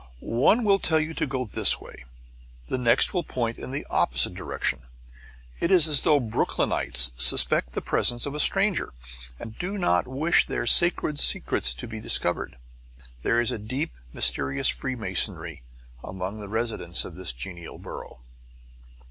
One will tell you to go this way; the next will point in the opposite direction. It is as though Brooklynites suspect the presence of a stranger, and do not wish their sacred secrets to be discovered. There is a deep, mysterious freemasonry among the residents of this genial borough.